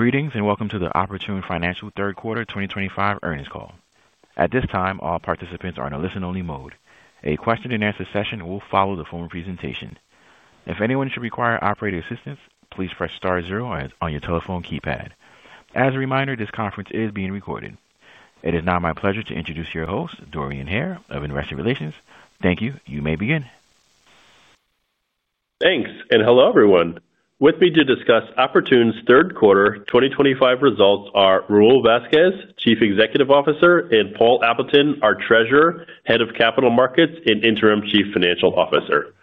Greetings and Welcome to the Oportun Financial Third Quarter 2025 Earnings Call. At this time, all participants are in a listen-only mode. A question-and-answer session will follow the formal presentation. If anyone should require operator assistance, please press star zero on your telephone keypad. As a reminder, this conference is being recorded. It is now my pleasure to introduce your host, Dorian Hare of Investor Relations. Thank you. You may begin. Thanks, and hello everyone. With me to discuss Oportun's Third Quarter 2025 results are Raul Vazquez, Chief Executive Officer, and Paul Appleton, our Treasurer, Head of Capital Markets, and Interim Chief Financial Officer.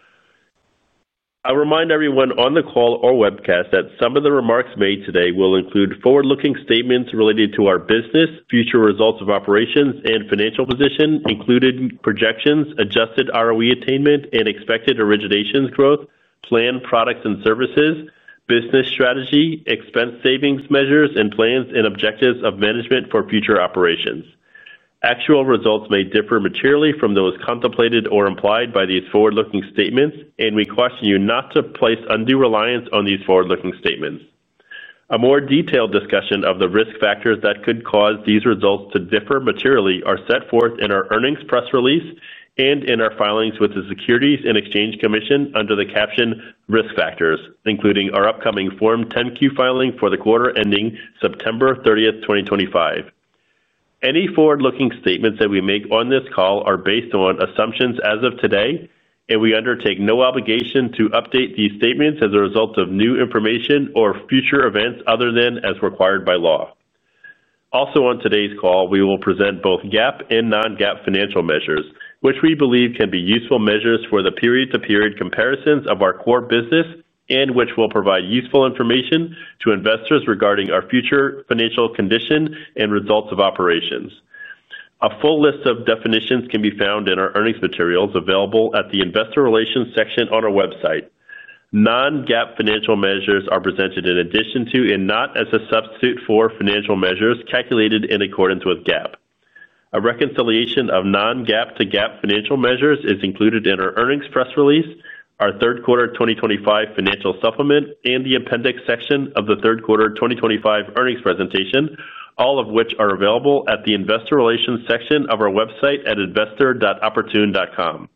I'll remind everyone on the call or webcast that some of the remarks made today will include forward-looking statements related to our business, future results of operations, and financial position, including projections, adjusted ROE attainment and expected originations growth, planned products and services, business strategy, expense savings measures, and plans and objectives of management for future operations. Actual results may differ materially from those contemplated or implied by these forward-looking statements, and we caution you not to place undue reliance on these forward-looking statements. A more detailed discussion of the risk factors that could cause these results to differ materially is set forth in our earnings press release and in our filings with the Securities and Exchange Commission under the caption "Risk Factors," including our upcoming Form 10-Q filing for the quarter ending September 30, 2025. Any forward-looking statements that we make on this call are based on assumptions as of today, and we undertake no obligation to update these statements as a result of new information or future events other than as required by law. Also, on today's call, we will present both GAAP and non-GAAP financial measures, which we believe can be useful measures for the period-to-period comparisons of our core business and which will provide useful information to investors regarding our future financial condition and results of operations. A full list of definitions can be found in our earnings materials available at the Investor Relations section on our website. Non-GAAP financial measures are presented in addition to and not as a substitute for financial measures calculated in accordance with GAAP. A reconciliation of non-GAAP to GAAP financial measures is included in our earnings press release, our Third Quarter 2025 financial supplement, and the appendix section of the Third Quarter 2025 earnings presentation, all of which are available at the Investor Relations section of our website at investor.oportun.com.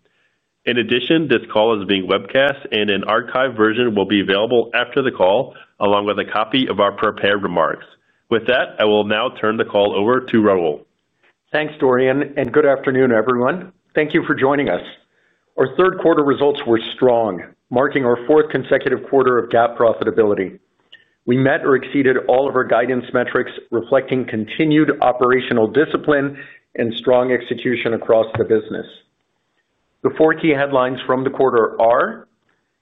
In addition, this call is being webcast, and an archived version will be available after the call along with a copy of our prepared remarks. With that, I will now turn the call over to Raul. Thanks, Dorian, and good afternoon, everyone. Thank you for joining us. Our third quarter results were strong, marking our fourth consecutive quarter of GAAP profitability. We met or exceeded all of our guidance metrics, reflecting continued operational discipline and strong execution across the business. The four key headlines from the quarter are: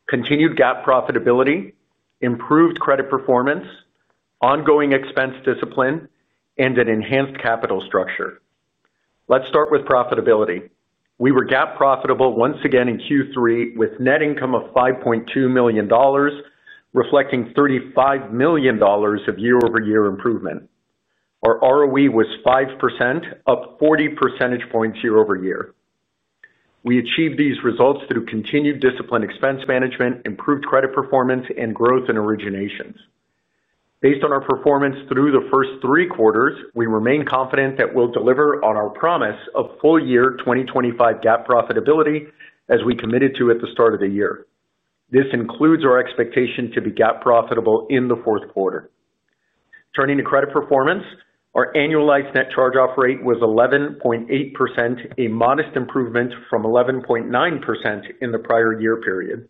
Continued GAAP profitability, improved credit performance, ongoing expense discipline, and an enhanced capital structure. Let's start with profitability. We were GAAP profitable once again in Q3 with net income of $5.2 million. Reflecting $35 million of year-over-year improvement. Our ROE was 5%, up 40 percentage points year-over-year. We achieved these results through continued disciplined expense management, improved credit performance, and growth in originations. Based on our performance through the first three quarters, we remain confident that we'll deliver on our promise of full-year 2025 GAAP profitability as we committed to at the start of the year. This includes our expectation to be GAAP profitable in the fourth quarter. Turning to credit performance, our annualized net charge-off rate was 11.8%, a modest improvement from 11.9% in the prior year period.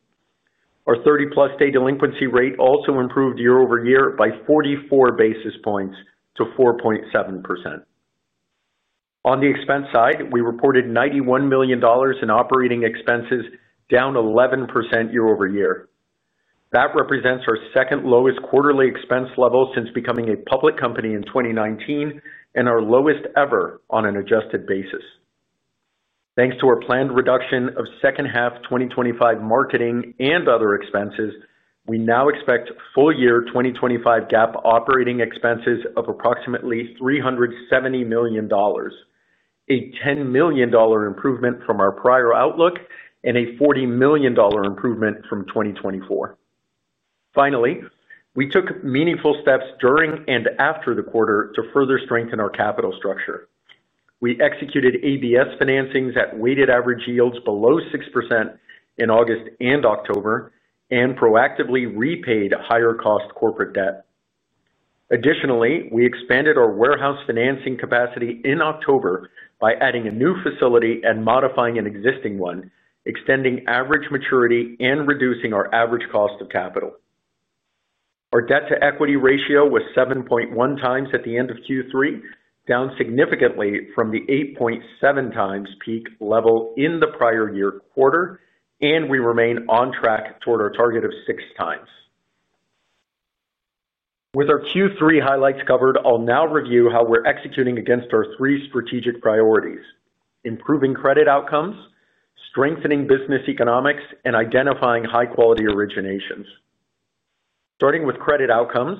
Our 30-plus day delinquency rate also improved year-over-year by 44 basis points to 4.7%. On the expense side, we reported $91 million in operating expenses, down 11% year-over-year. That represents our second lowest quarterly expense level since becoming a public company in 2019 and our lowest ever on an adjusted basis. Thanks to our planned reduction of second half 2025 marketing and other expenses, we now expect full-year 2025 GAAP operating expenses of approximately $370 million. A $10 million improvement from our prior outlook and a $40 million improvement from 2024. Finally, we took meaningful steps during and after the quarter to further strengthen our capital structure. We executed EBS financings at weighted average yields below 6% in August and October and proactively repaid higher-cost corporate debt. Additionally, we expanded our warehouse financing capacity in October by adding a new facility and modifying an existing one, extending average maturity and reducing our average cost of capital. Our debt-to-equity ratio was 7.1 times at the end of Q3, down significantly from the 8.7 times peak level in the prior year quarter, and we remain on track toward our target of 6 times. With our Q3 highlights covered, I'll now review how we're executing against our three strategic priorities: improving credit outcomes, strengthening business economics, and identifying high-quality originations. Starting with credit outcomes,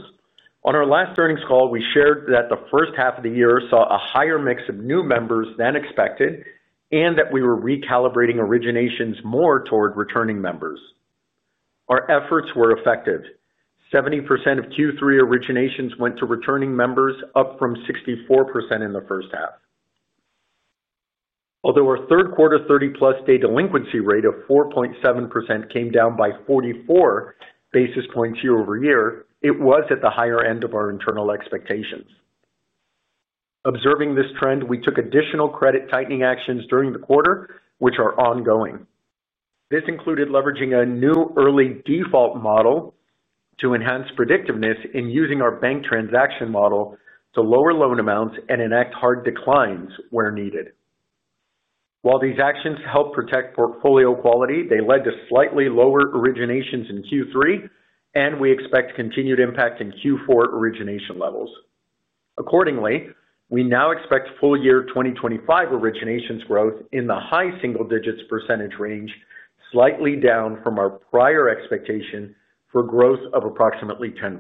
on our last earnings call, we shared that the first half of the year saw a higher mix of new members than expected and that we were recalibrating originations more toward returning members. Our efforts were effective. 70% of Q3 originations went to returning members, up from 64% in the first half. Although our third quarter 30-plus day delinquency rate of 4.7% came down by 44 basis points year-over-year, it was at the higher end of our internal expectations. Observing this trend, we took additional credit tightening actions during the quarter, which are ongoing. This included leveraging a new early default model to enhance predictiveness in using our bank transaction model to lower loan amounts and enact hard declines where needed. While these actions help protect portfolio quality, they led to slightly lower originations in Q3, and we expect continued impact in Q4 origination levels. Accordingly, we now expect full-year 2025 originations growth in the high single digits % range, slightly down from our prior expectation for growth of approximately 10%.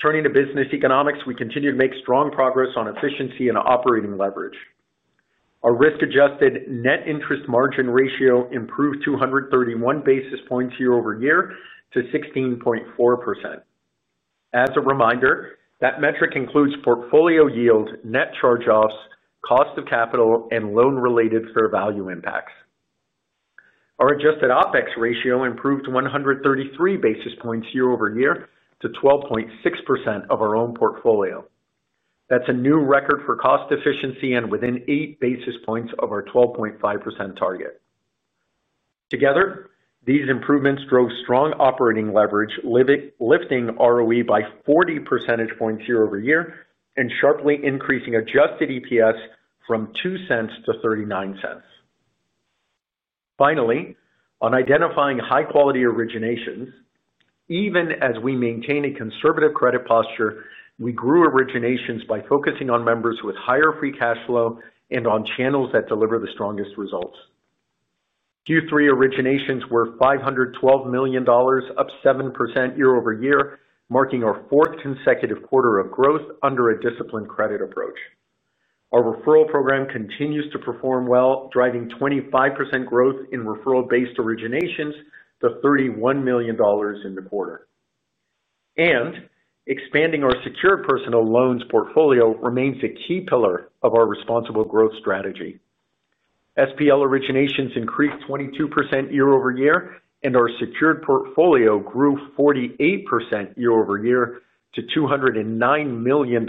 Turning to business economics, we continue to make strong progress on efficiency and operating leverage. Our risk-adjusted net interest margin ratio improved 231 basis points year-over-year to 16.4%. As a reminder, that metric includes portfolio yield, net charge-offs, cost of capital, and loan-related fair value impacts. Our adjusted OpEx ratio improved 133 basis points year-over-year to 12.6% of our own portfolio. That's a new record for cost efficiency and within 8 basis points of our 12.5% target. Together, these improvements drove strong operating leverage, lifting ROE by 40 percentage points year-over-year and sharply increasing adjusted EPS from $0.02 to $0.39. Finally, on identifying high-quality originations, even as we maintain a conservative credit posture, we grew originations by focusing on members with higher free cash flow and on channels that deliver the strongest results. Q3 originations were $512 million, up 7% year-over-year, marking our fourth consecutive quarter of growth under a disciplined credit approach. Our referral program continues to perform well, driving 25% growth in referral-based originations to $31 million in the quarter. And expanding our secured personal loans portfolio remains a key pillar of our responsible growth strategy. SPL originations increased 22% year-over-year, and our secured portfolio grew 48% year-over-year to $209 million,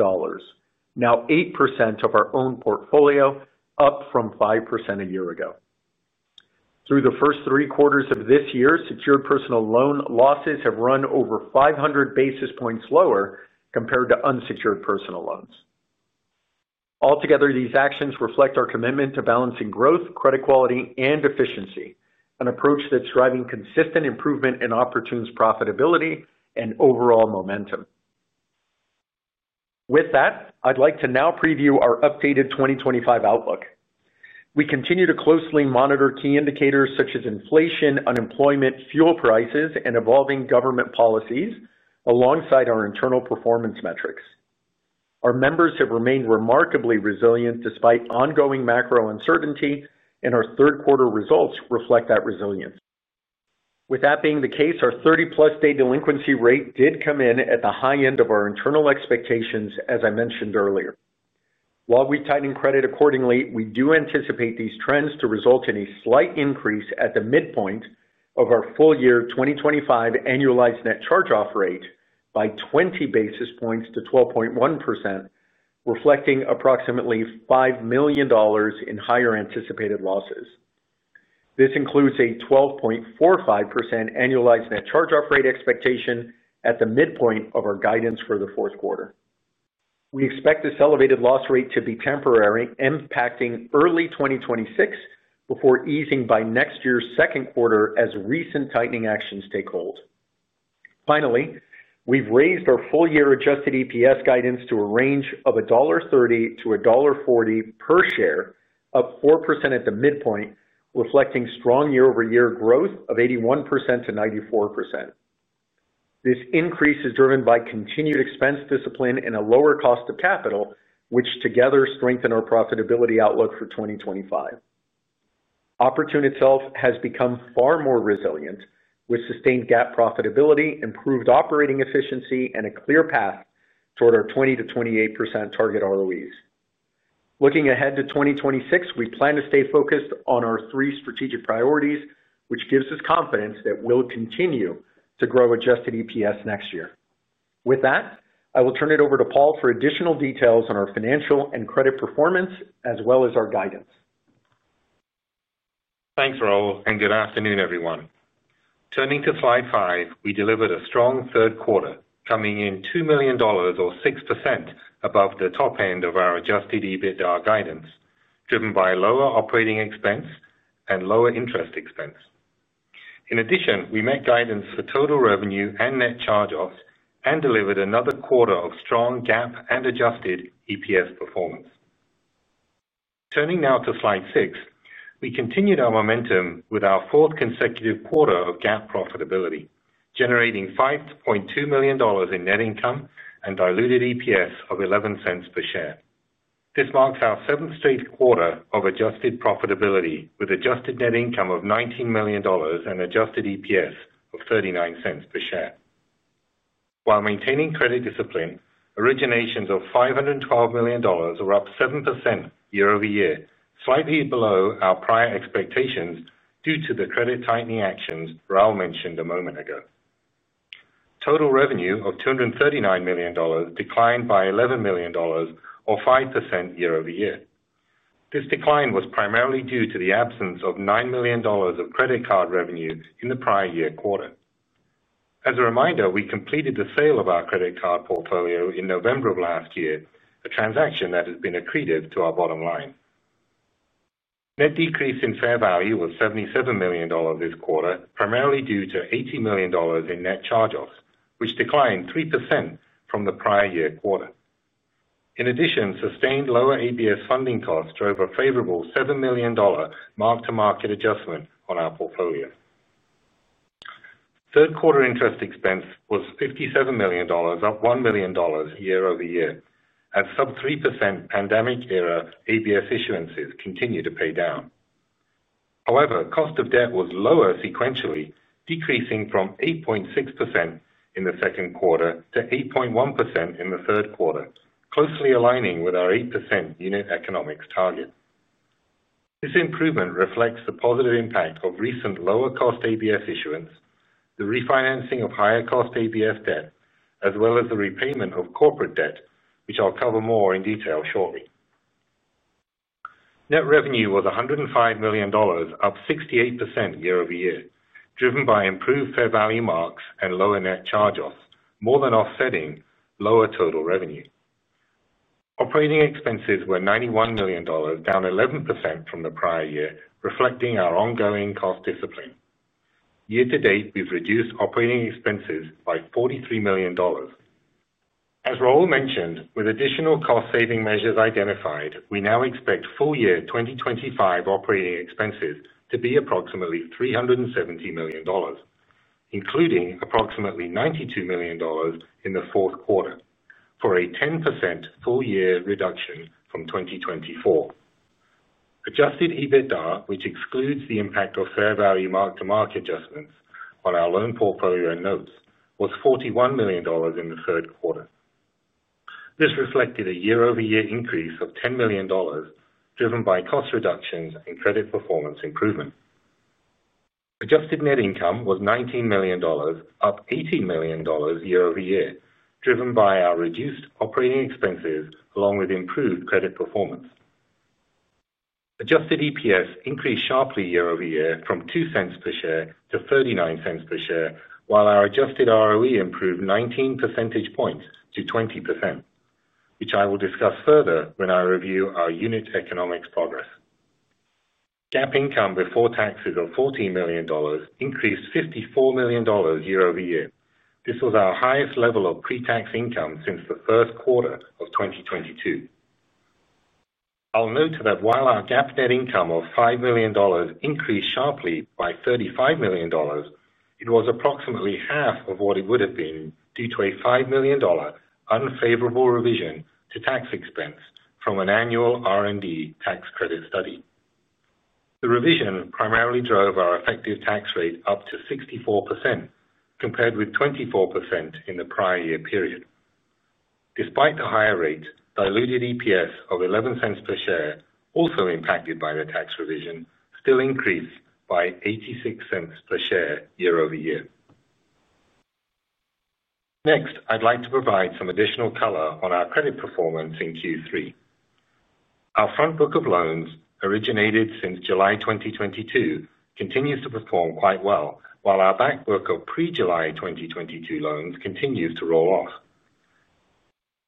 now 8% of our own portfolio, up from 5% a year ago. Through the first three quarters of this year, secured personal loan losses have run over 500 basis points lower compared to unsecured personal loans. Altogether, these actions reflect our commitment to balancing growth, credit quality, and efficiency, an approach that's driving consistent improvement in Oportun's profitability and overall momentum. With that, I'd like to now preview our updated 2025 outlook. We continue to closely monitor key indicators such as inflation, unemployment, fuel prices, and evolving government policies alongside our internal performance metrics. Our members have remained remarkably resilient despite ongoing macro uncertainty, and our third quarter results reflect that resilience. With that being the case, our 30-plus day delinquency rate did come in at the high end of our internal expectations, as I mentioned earlier. While we're tightening credit accordingly, we do anticipate these trends to result in a slight increase at the midpoint of our full-year 2025 annualized net charge-off rate by 20 basis points to 12.1%. Reflecting approximately $5 million in higher anticipated losses. This includes a 12.45% annualized net charge-off rate expectation at the midpoint of our guidance for the fourth quarter. We expect this elevated loss rate to be temporary, impacting early 2026 before easing by next year's second quarter as recent tightening actions take hold. Finally, we've raised our full-year adjusted EPS guidance to a range of $1.30 to $1.40 per share, up 4% at the midpoint, reflecting strong year-over-year growth of 81% to 94%. This increase is driven by continued expense discipline and a lower cost of capital, which together strengthen our profitability outlook for 2025. Oportun itself has become far more resilient, with sustained GAAP profitability, improved operating efficiency, and a clear path toward our 20% to 28% target ROEs. Looking ahead to 2026, we plan to stay focused on our three strategic priorities, which gives us confidence that we'll continue to grow adjusted EPS next year. With that, I will turn it over to Paul for additional details on our financial and credit performance, as well as our guidance. Thanks, Raul, and good afternoon, everyone. Turning to slide five, we delivered a strong third quarter, coming in $2 million, or 6%, above the top end of our adjusted EBITDA guidance, driven by lower operating expense and lower interest expense. In addition, we met guidance for total revenue and net charge-offs and delivered another quarter of strong GAAP and adjusted EPS performance. Turning now to slide six, we continued our momentum with our fourth consecutive quarter of GAAP profitability, generating $5.2 million in net income and diluted EPS of $0.11 per share. This marks our seventh straight quarter of adjusted profitability, with adjusted net income of $19 million and adjusted EPS of $0.39 per share. While maintaining credit discipline, originations of $512 million were up 7% year-over-year, slightly below our prior expectations due to the credit tightening actions Raul mentioned a moment ago. Total revenue of $239 million declined by $11 million, or 5% year-over-year. This decline was primarily due to the absence of $9 million of credit card revenue in the prior year quarter. As a reminder, we completed the sale of our credit card portfolio in November of last year, a transaction that has been accretive to our bottom line. Net decrease in fair value was $77 million this quarter, primarily due to $80 million in net charge-offs, which declined 3% from the prior year quarter. In addition, sustained lower ABS funding costs drove a favorable $7 million mark-to-market adjustment on our portfolio. Third quarter interest expense was $57 million, up $1 million year-over-year, as sub-3% pandemic-era ABS issuances continue to pay down. However, cost of debt was lower sequentially, decreasing from 8.6% in the second quarter to 8.1% in the third quarter, closely aligning with our 8% unit economics target. This improvement reflects the positive impact of recent lower-cost ABS issuance, the refinancing of higher-cost ABS debt, as well as the repayment of corporate debt, which I'll cover more in detail shortly. Net revenue was $105 million, up 68% year-over-year, driven by improved fair value marks and lower net charge-offs, more than offsetting lower total revenue. Operating expenses were $91 million, down 11% from the prior year, reflecting our ongoing cost discipline. Year to date, we've reduced operating expenses by $43 million. As Raul mentioned, with additional cost-saving measures identified, we now expect full-year 2025 operating expenses to be approximately $370 million, including approximately $92 million in the fourth quarter, for a 10% full-year reduction from 2024. Adjusted EBITDA, which excludes the impact of fair value mark-to-market adjustments on our loan portfolio and notes, was $41 million in the third quarter. This reflected a year-over-year increase of $10 million, driven by cost reductions and credit performance improvement. Adjusted net income was $19 million, up $80 million year-over-year, driven by our reduced operating expenses along with improved credit performance. Adjusted EPS increased sharply year-over-year from $0.02 per share to $0.39 per share, while our adjusted ROE improved 19 percentage points to 20%, which I will discuss further when I review our unit economics progress. GAAP income before taxes of $14 million increased $54 million year-over-year. This was our highest level of pre-tax income since the first quarter of 2022. I'll note that while our GAAP net income of $5 million increased sharply by $35 million, it was approximately half of what it would have been due to a $5 million unfavorable revision to tax expense from an annual R&D tax credit study. The revision primarily drove our effective tax rate up to 64%, compared with 24% in the prior year period. Despite the higher rate, diluted EPS of $0.11 per share, also impacted by the tax revision, still increased by $0.86 per share year-over-year. Next, I'd like to provide some additional color on our credit performance in Q3. Our front book of loans, originated since July 2022, continues to perform quite well, while our back book of pre-July 2022 loans continues to roll off.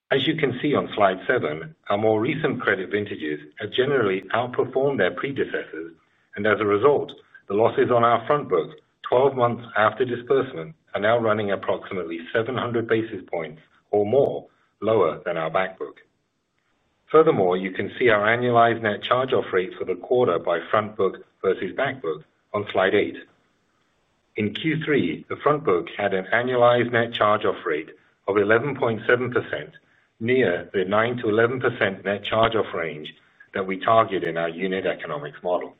As you can see on slide seven, our more recent credit vintages have generally outperformed their predecessors, and as a result, the losses on our front book, 12 months after disbursement, are now running approximately 700 basis points or more lower than our back book. Furthermore, you can see our annualized net charge-off rate for the quarter by front book versus back book on slide eight. In Q3, the front book had an annualized net charge-off rate of 11.7%, near the 9% to 11% net charge-off range that we target in our unit economics model.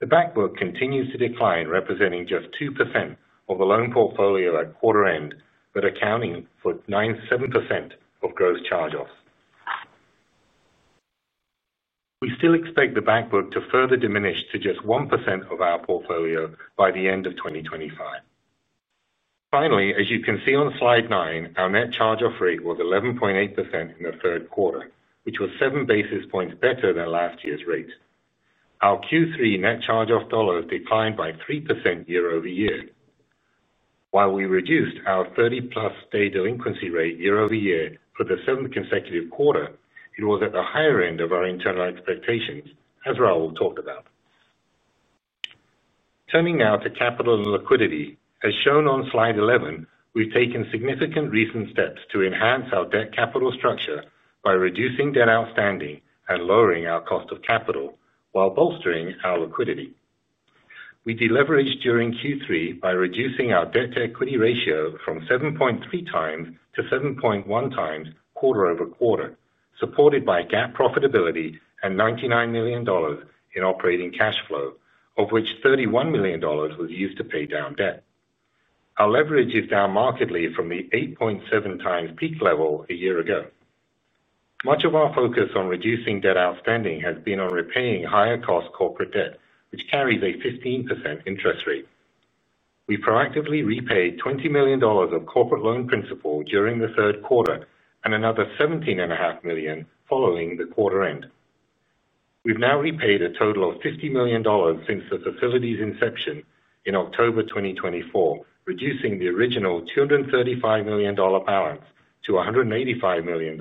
The back book continues to decline, representing just 2% of the loan portfolio at quarter end, but accounting for 7% of gross charge-offs. We still expect the back book to further diminish to just 1% of our portfolio by the end of 2025. Finally, as you can see on slide nine, our net charge-off rate was 11.8% in the third quarter, which was 7 basis points better than last year's rate. Our Q3 net charge-off dollars declined by 3% year-over-year. While we reduced our 30-plus day delinquency rate year-over-year for the seventh consecutive quarter, it was at the higher end of our internal expectations, as Raul talked about. Turning now to capital and liquidity. As shown on slide 11, we've taken significant recent steps to enhance our debt capital structure by reducing debt outstanding and lowering our cost of capital, while bolstering our liquidity. We deleveraged during Q3 by reducing our debt-to-equity ratio from 7.3 times to 7.1 times quarter over quarter, supported by GAAP profitability and $99 million in operating cash flow, of which $31 million was used to pay down debt. Our leverage is down markedly from the 8.7 times peak level a year ago. Much of our focus on reducing debt outstanding has been on repaying higher-cost corporate debt, which carries a 15% interest rate. We proactively repaid $20 million of corporate loan principal during the third quarter and another $17.5 million following the quarter end. We've now repaid a total of $50 million since the facility's inception in October 2024, reducing the original $235 million balance to $185 million,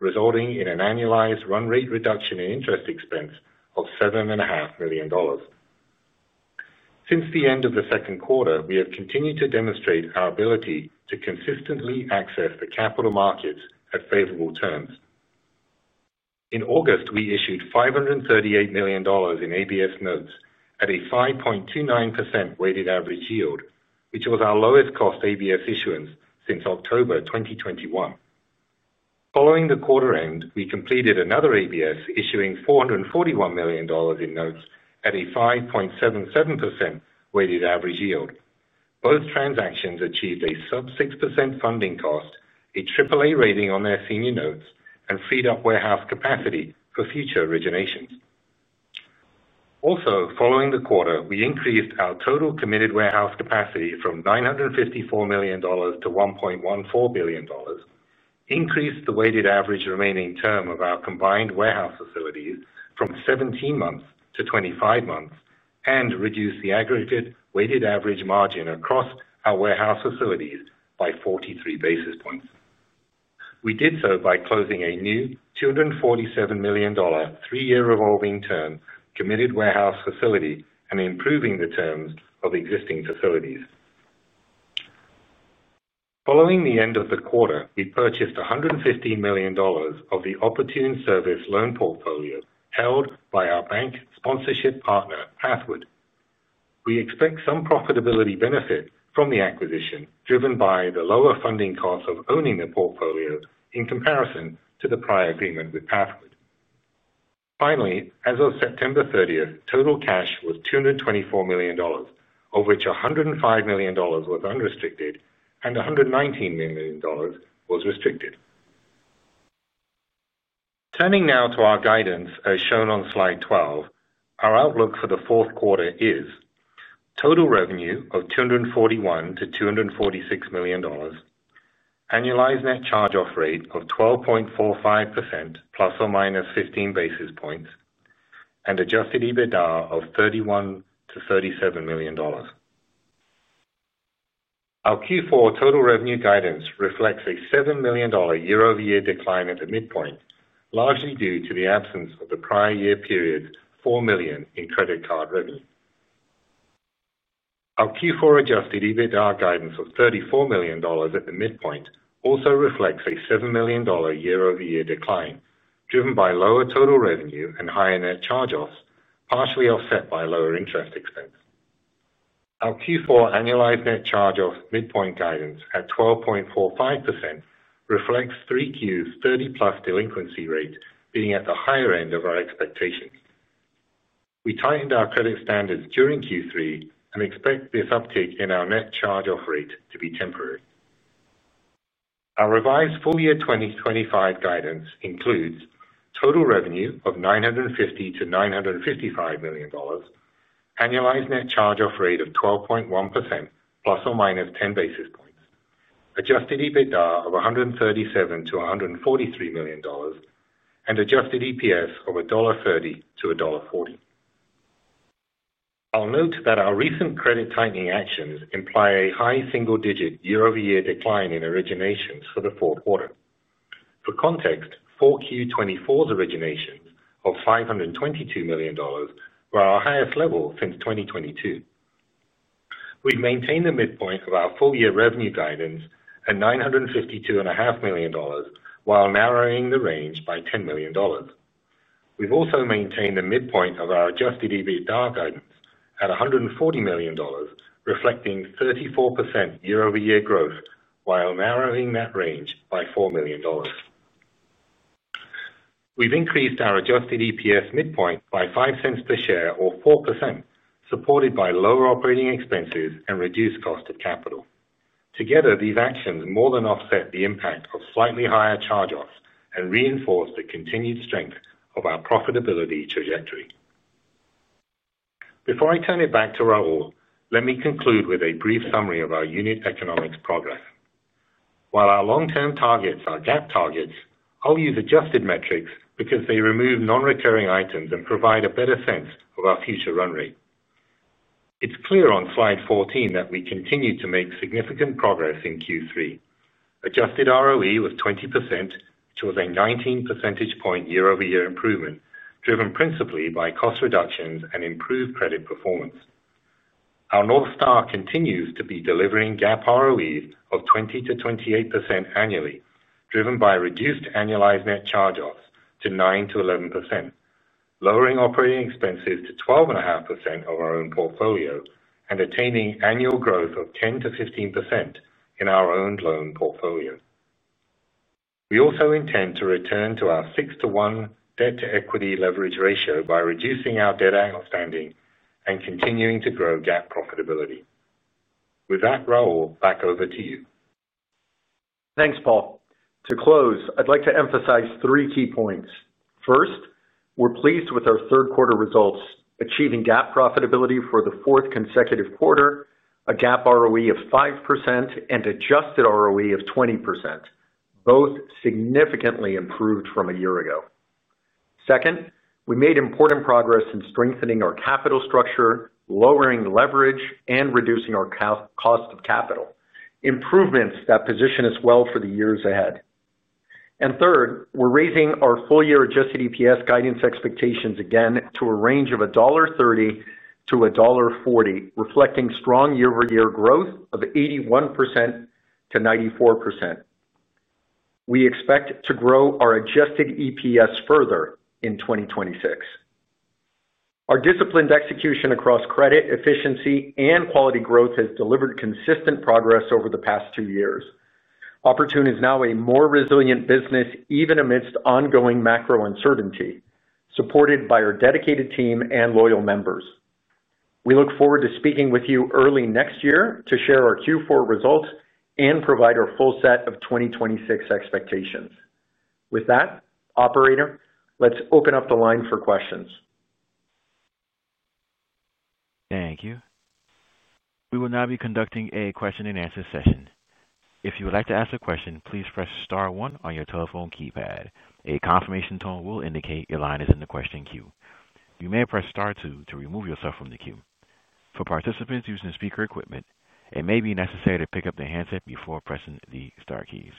resulting in an annualized run rate reduction in interest expense of $7.5 million. Since the end of the second quarter, we have continued to demonstrate our ability to consistently access the capital markets at favorable terms. In August, we issued $538 million in ABS notes at a 5.29% weighted average yield, which was our lowest cost ABS issuance since October 2021. Following the quarter end, we completed another ABS issuing $441 million in notes at a 5.77% weighted average yield. Both transactions achieved a sub-6% funding cost, a AAA rating on their senior notes, and freed up warehouse capacity for future originations. Also, following the quarter, we increased our total committed warehouse capacity from $954 million to $1.14 billion, increased the weighted average remaining term of our combined warehouse facilities from 17 months to 25 months, and reduced the aggregate weighted average margin across our warehouse facilities by 43 basis points. We did so by closing a new $247 million, three-year revolving term committed warehouse facility and improving the terms of existing facilities. Following the end of the quarter, we purchased $115 million of the Oportun-serviced loan portfolio held by our bank sponsorship partner, Pathwood. We expect some profitability benefit from the acquisition, driven by the lower funding cost of owning the portfolio in comparison to the prior agreement with Pathwood. Finally, as of September 30, total cash was $224 million, of which $105 million was unrestricted and $119 million was restricted. Turning now to our guidance, as shown on slide 12, our outlook for the fourth quarter is total revenue of $241 million to $246 million, annualized net charge-off rate of 12.45% plus or minus 15 basis points, and adjusted EBITDA of $31million to $37 million. Our Q4 total revenue guidance reflects a $7 million year-over-year decline at the midpoint, largely due to the absence of the prior year period's $4 million in credit card revenue. Our Q4 adjusted EBITDA guidance of $34 million at the midpoint also reflects a $7 million year-over-year decline, driven by lower total revenue and higher net charge-offs, partially offset by lower interest expense. Our Q4 annualized net charge-off midpoint guidance at 12.45% reflects Q3's 30+ delinquency rate being at the higher end of our expectations. We tightened our credit standards during Q3 and expect this uptick in our net charge-off rate to be temporary. Our revised full-year 2025 guidance includes total revenue of $950 million to $955 million, annualized net charge-off rate of 12.1% plus or minus 10 basis points, adjusted EBITDA of $137 million to $143 million, and adjusted EPS of $1.30 to $1.40. I'll note that our recent credit tightening actions imply a high single-digit year-over-year decline in originations for the fourth quarter. For context, 4Q 2024's originations of $522 million were our highest level since 2022. We've maintained the midpoint of our full-year revenue guidance at $952.5 million, while narrowing the range by $10 million. We've also maintained the midpoint of our Adjusted EBITDA guidance at $140 million, reflecting 34% year-over-year growth, while narrowing that range by $4 million. We've increased our Adjusted EPS midpoint by $0.05 per share, or 4%, supported by lower operating expenses and reduced cost of capital. Together, these actions more than offset the impact of slightly higher charge-offs and reinforce the continued strength of our profitability trajectory. Before I turn it back to Raul, let me conclude with a brief summary of our unit economics progress. While our long-term targets are GAAP targets, I'll use adjusted metrics because they remove non-recurring items and provide a better sense of our future run rate. It's clear on slide 14 that we continue to make significant progress in Q3. Adjusted ROE was 20%, which was a 19 percentage point year-over-year improvement, driven principally by cost reductions and improved credit performance. Our North Star continues to be delivering GAAP ROEs of 20% to 28% annually, driven by reduced annualized net charge-offs to 9% to 11%, lowering operating expenses to 12.5% of our own portfolio, and attaining annual growth of 10% to 15% in our own loan portfolio. We also intend to return to our 6:1 debt-to-equity leverage ratio by reducing our debt outstanding and continuing to grow GAAP profitability. With that, Raul, back over to you. Thanks, Paul. To close, I'd like to emphasize three key points. First, we're pleased with our third-quarter results, achieving GAAP profitability for the fourth consecutive quarter, a GAAP ROE of 5%, and adjusted ROE of 20%, both significantly improved from a year ago. Second, we made important progress in strengthening our capital structure, lowering leverage, and reducing our cost of capital, improvements that position us well for the years ahead. And third, we're raising our full-year Adjusted EPS guidance expectations again to a range of $1.30 to $1.40, reflecting strong year-over-year growth of 81% to 94%. We expect to grow our adjusted EPS further in 2026. Our disciplined execution across credit, efficiency, and quality growth has delivered consistent progress over the past two years. Opportun is now a more resilient business, even amidst ongoing macro uncertainty, supported by our dedicated team and loyal members. We look forward to speaking with you early next year to share our Q4 results and provide our full set of 2026 expectations. With that, Operator, let's open up the line for questions. Thank you. We will now be conducting a question-and-answer session. If you would like to ask a question, please press Star one on your telephone keypad. A confirmation tone will indicate your line is in the question queue. You may press Star two to remove yourself from the queue. For participants using speaker equipment, it may be necessary to pick up the handset before pressing the Star keys.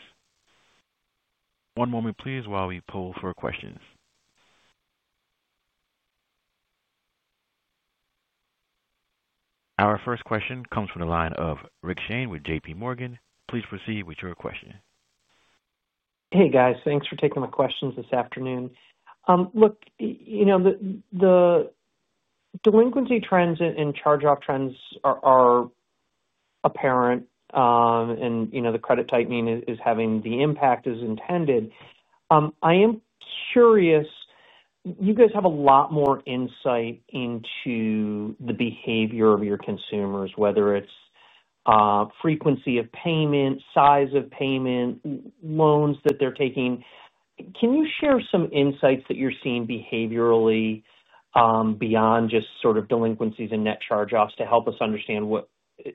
One moment, please, while we poll for questions. Our first question comes from the line of Rick Shane with JPMorgan. Please proceed with your question. Hey, guys. Thanks for taking my questions this afternoon. Look, the delinquency trends and charge-off trends are apparent. And the credit tightening is having the impact as intended. I am curious. You guys have a lot more insight into the behavior of your consumers, whether it's frequency of payment, size of payment, loans that they're taking. Can you share some insights that you're seeing behaviorally beyond just sort of delinquencies and net charge-offs to help us understand what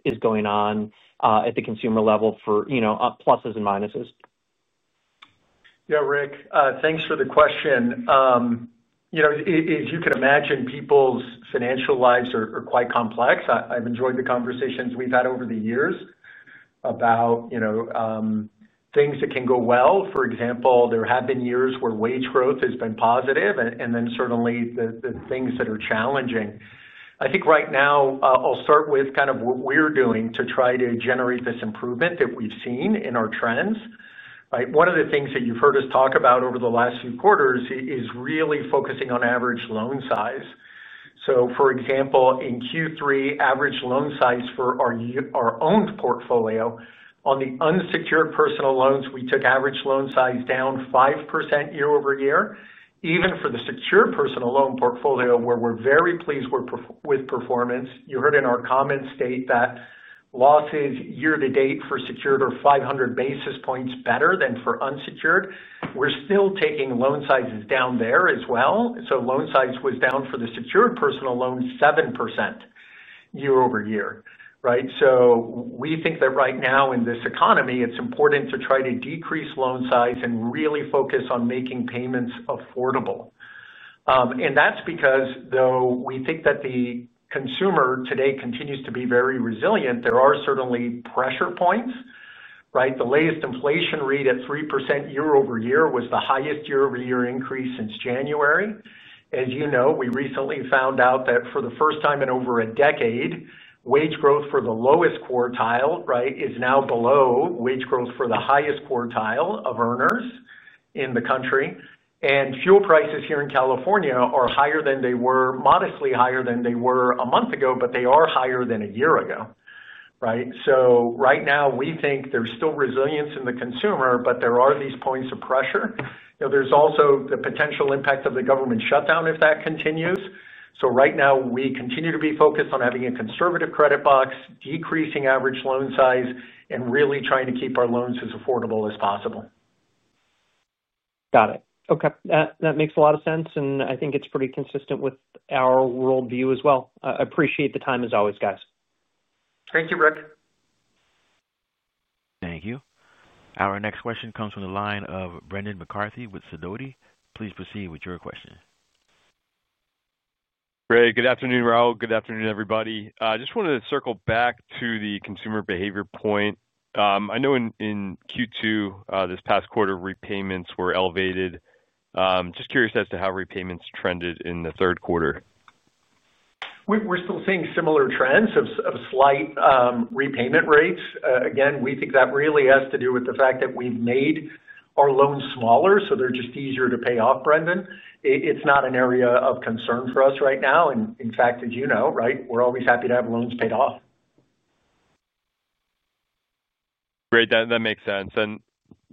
is going on at the consumer level for pluses and minuses? Yeah, Rick, thanks for the question. As you can imagine, people's financial lives are quite complex. I've enjoyed the conversations we've had over the years about things that can go well. For example, there have been years where wage growth has been positive, and then certainly the things that are challenging. I think right now, I'll start with kind of what we're doing to try to generate this improvement that we've seen in our trends. One of the things that you've heard us talk about over the last few quarters is really focusing on average loan size. So, for example, in Q3, average loan size for our own portfolio, on the unsecured personal loans, we took average loan size down 5% year-over-year, even for the secured personal loan portfolio, where we're very pleased with performance. You heard in our comments state that losses year-to-date for secured are 500 basis points better than for unsecured. We're still taking loan sizes down there as well. So loan size was down for the secured personal loan 7% year-over-year. So we think that right now, in this economy, it's important to try to decrease loan size and really focus on making payments affordable. And that's because, though we think that the consumer today continues to be very resilient, there are certainly pressure points. The latest inflation read at 3% year-over-year was the highest year-over-year increase since January. As you know, we recently found out that for the first time in over a decade, wage growth for the lowest quartile is now below wage growth for the highest quartile of earners in the country. And fuel prices here in California are higher than they were, modestly higher than they were a month ago, but they are higher than a year ago. So right now, we think there's still resilience in the consumer, but there are these points of pressure. There's also the potential impact of the government shutdown if that continues. So right now, we continue to be focused on having a conservative credit box, decreasing average loan size, and really trying to keep our loans as affordable as possible. Got it. Okay. That makes a lot of sense, and I think it's pretty consistent with our worldview as well. I appreciate the time as always, guys. Thank you, Rick. Thank you. Our next question comes from the line of Brendan McCarthy with Sidoti. Please proceed with your question. Great. Good afternoon, Raul. Good afternoon, everybody. I just want to circle back to the consumer behavior point. I know in Q2, this past quarter, repayments were elevated. Just curious as to how repayments trended in the third quarter. We're still seeing similar trends of slight repayment rates. Again, we think that really has to do with the fact that we've made our loans smaller, so they're just easier to pay off, Brendan. It's not an area of concern for us right now. And in fact, as you know, we're always happy to have loans paid off. Great. That makes sense.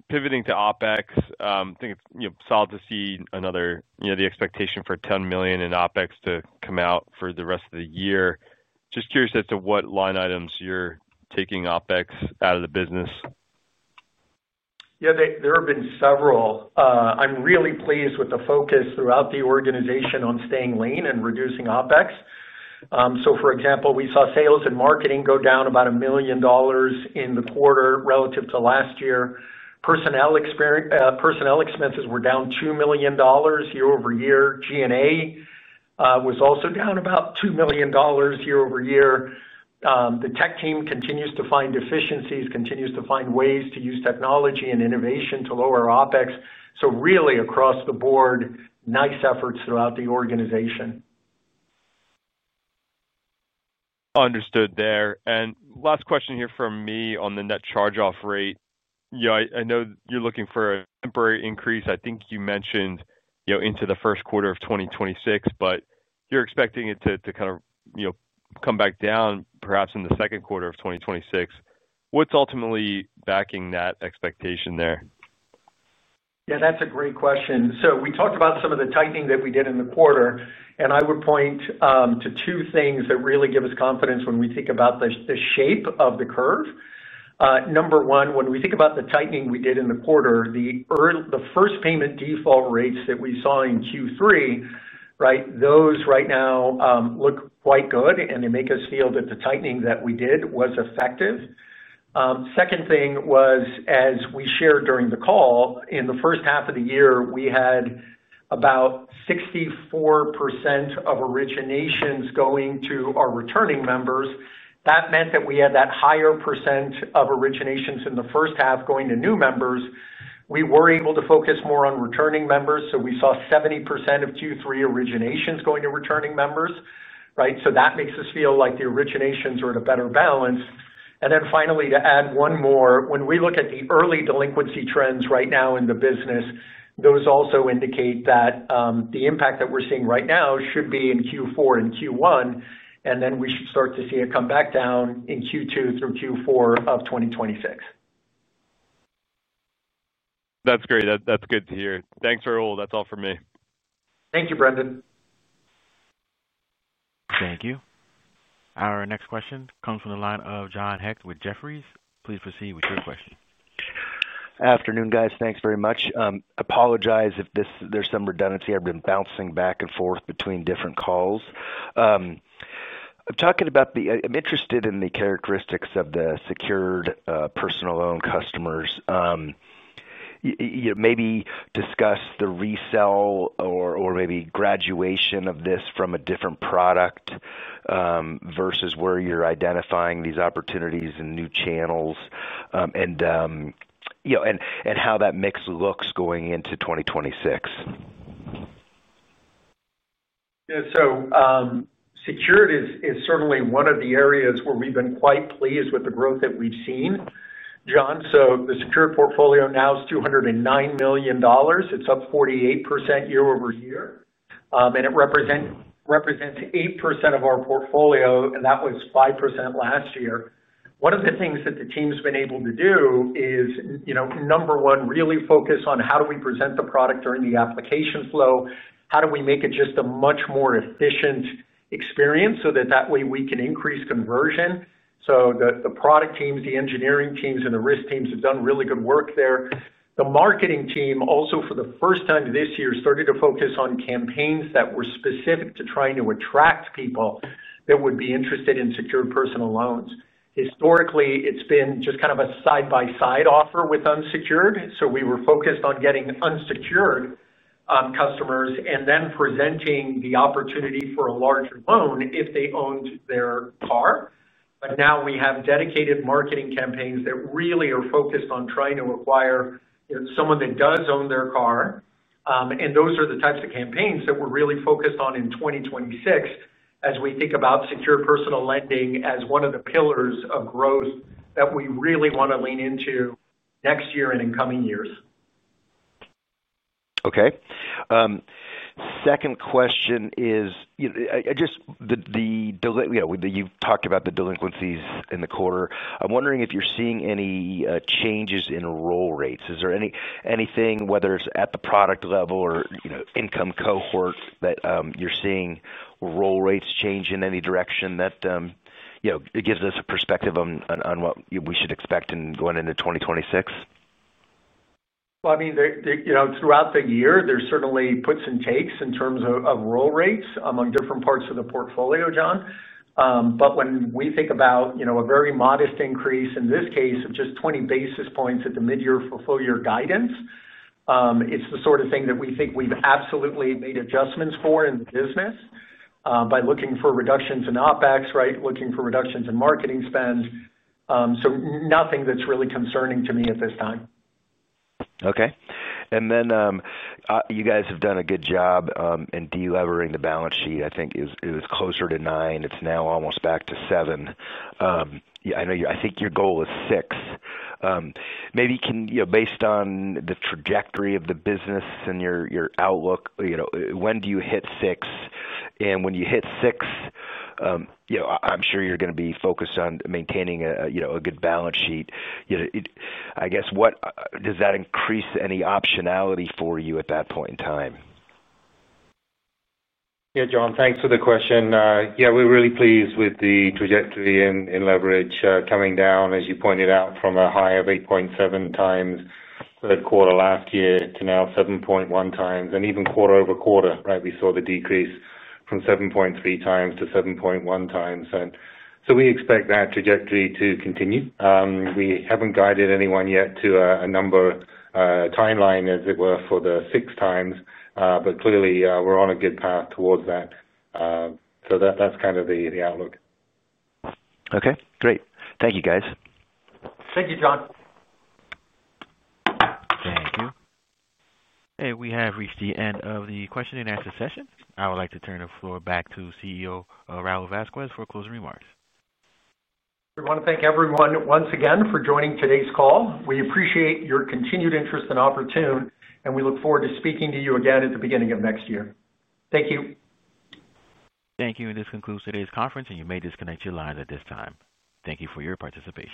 And pivoting to OPEX, I think it's solid to see and the expectation for $10 million in OPEX to come out for the rest of the year. Just curious as to what line items you're taking OPEX out of the business. Yeah, there have been several. I'm really pleased with the focus throughout the organization on staying lean and reducing OPEX. So, for example, we saw sales and marketing go down about $1 million in the quarter relative to last year. Personnel expenses were down $2 million year-over-year. G&A was also down about $2 million year-over-year. The tech team continues to find efficiencies, continues to find ways to use technology and innovation to lower OPEX. So really, across the board, nice efforts throughout the organization. Understood there. And last question here from me on the net charge-off rate. I know you're looking for a temporary increase. I think you mentioned into the first quarter of 2026, but you're expecting it to kind of come back down perhaps in the second quarter of 2026. What's ultimately backing that expectation there? Yeah, that's a great question. So we talked about some of the tightening that we did in the quarter, and I would point to two things that really give us confidence when we think about the shape of the curve. Number one, when we think about the tightening we did in the quarter, the first payment default rates that we saw in Q3. Those right now look quite good, and they make us feel that the tightening that we did was effective. Second thing was, as we shared during the call, in the first half of the year, we had about 64% of originations going to our returning members. That meant that we had that higher percent of originations in the first half going to new members. We were able to focus more on returning members, so we saw 70% of Q3 originations going to returning members. So that makes us feel like the originations are at a better balance. And then finally, to add one more, when we look at the early delinquency trends right now in the business, those also indicate that the impact that we're seeing right now should be in Q4 and Q1, and then we should start to see it come back down in Q2 through Q4 of 2026. That's great. That's good to hear. Thanks, Raul. That's all for me. Thank you, Brendan. Thank you. Our next question comes from the line of John Hecht with Jefferies. Please proceed with your question. Afternoon, guys. Thanks very much. Apologize if there's some redundancy. I've been bouncing back and forth between different calls. I'm interested in the characteristics of the secured personal loan customers. Maybe discuss the resell or maybe graduation of this from a different product. Versus where you're identifying these opportunities and new channels and. How that mix looks going into 2026. Yeah. So. Secured is certainly one of the areas where we've been quite pleased with the growth that we've seen, John. So the secured portfolio now is $209 million. It's up 48% year-over-year. And it represents 8% of our portfolio, and that was 5% last year. One of the things that the team's been able to do is. Number one, really focus on how do we present the product during the application flow? How do we make it just a much more efficient experience so that that way we can increase conversion? So the product teams, the engineering teams, and the risk teams have done really good work there. The marketing team, also for the first time this year, started to focus on campaigns that were specific to trying to attract people that would be interested in secured personal loans. Historically, it's been just kind of a side-by-side offer with unsecured. So we were focused on getting unsecured. Customers and then presenting the opportunity for a larger loan if they owned their car. But now we have dedicated marketing campaigns that really are focused on trying to acquire. Someone that does own their car. And those are the types of campaigns that we're really focused on in 2026 as we think about secure personal lending as one of the pillars of growth that we really want to lean into next year and in coming years. Okay. Second question is. Just the. You've talked about the delinquencies in the quarter. I'm wondering if you're seeing any changes in roll rates. Is there anything, whether it's at the product level or income cohort, that you're seeing roll rates change in any direction that. Gives us a perspective on what we should expect going into 2026? Well, I mean, throughout the year, there's certainly puts and takes in terms of roll rates among different parts of the portfolio, John. But when we think about a very modest increase, in this case, of just 20 basis points at the mid-year full-year guidance. It's the sort of thing that we think we've absolutely made adjustments for in the business. By looking for reductions in OpEx, looking for reductions in marketing spend. So nothing that's really concerning to me at this time. Okay. And then. You guys have done a good job in delivering the balance sheet. I think it was closer to nine. It's now almost back to seven. I think your goal is six. Maybe based on the trajectory of the business and your outlook, when do you hit six? And when you hit six. I'm sure you're going to be focused on maintaining a good balance sheet. I guess, does that increase any optionality for you at that point in time? Yeah, John, thanks for the question. Yeah, we're really pleased with the trajectory and leverage coming down, as you pointed out, from a high of 8.7 times third quarter last year to now 7.1 times. And even quarter over quarter, we saw the decrease from 7.3 times to 7.1 times. And so we expect that trajectory to continue. We haven't guided anyone yet to a number. Timeline, as it were, for the six times. But clearly, we're on a good path towards that. So that's kind of the outlook. Okay. Great. Thank you, guys. Thank you, John. Thank you. And we have reached the end of the question and answer session. I would like to turn the floor back to CEO Raul Vazquez for closing remarks. I want to thank everyone once again for joining today's call. We appreciate your continued interest in Oportun, and we look forward to speaking to you again at the beginning of next year. Thank you. Thank you. And this concludes today's conference, and you may disconnect your lines at this time. Thank you for your participation.